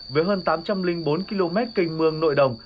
với hơn tám trăm linh bốn km kênh mương nội đồng